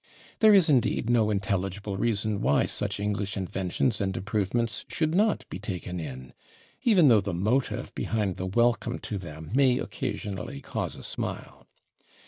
There is, indeed, no intelligible reason why such English inventions and improvements should not be taken in, even though the motive behind the welcome to them may occasionally cause a smile.